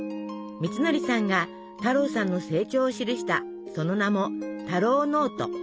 みつのりさんが太郎さんの成長を記したその名も「たろうノート」。